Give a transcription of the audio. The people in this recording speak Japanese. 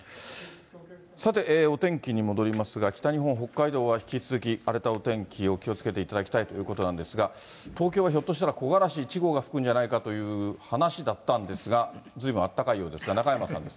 さて、お天気に戻りますが、北日本、北海道は、引き続き荒れたお天気、気をつけていただきたいということなんですが、東京はひょっとしたら木枯らし１号が吹くんじゃないかという話だったんですが、ずいぶんあったかいようですが、中山さんです。